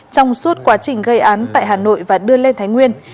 trong suốt quá trình gây án tại hà nội và đưa lên thái nguyên